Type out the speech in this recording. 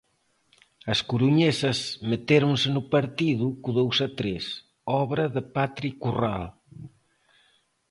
As coruñesas metéronse no partido co dous a tres, obra de Patri Corral.